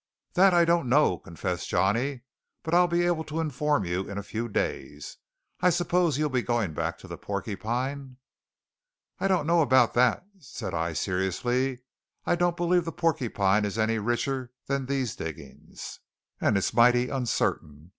"That I don't know," confessed Johnny, "but I'll be able to inform you in a few days. I suppose you'll be going back to the Porcupine?" "I don't know about that," said I seriously. "I don't believe the Porcupine is any richer than these diggings, and it's mighty uncertain.